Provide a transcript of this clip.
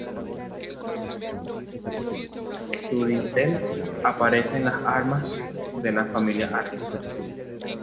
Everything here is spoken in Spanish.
En su dintel aparecen las armas de la familia Arce.